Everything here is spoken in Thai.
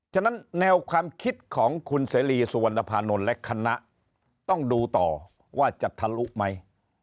ฉะนั้นแนวความคิดของคุณเสรีสุวรรณภานนท์และคณะต้องดูต่อว่าจะทะลุไหม